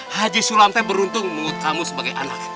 haji sulam teh beruntung menunggu kamu sebagai anak